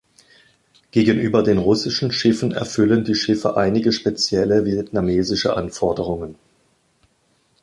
Gegenüber den russischen Schiffen erfüllen die Schiffe einige spezielle vietnamesische Anforderungen.